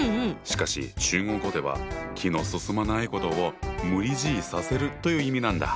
しかし中国語では気の進まないことを「無理強いさせる」という意味なんだ。